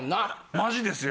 マジですよ。